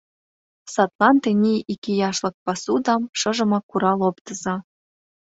Садлан тений икияшлык пасудам шыжымак курал оптыза.